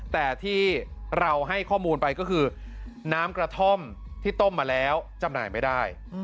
แต่ที่เราให้ข้อมูลไปก็คือน้ำกระท่อมที่ต้มมาแล้วจำหน่ายไม่ได้